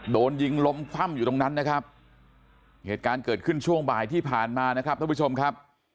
โดนยิงล้มคว่ำอยู่ตรงนั้นนะครับเหตุการณ์เกิดขึ้นช่วงบ่ายที่ผ่านมานะครับท่านผู้ชมครับ